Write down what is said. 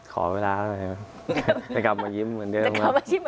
ขอเวลาจะกลับมายิ้มเหมือนเดิม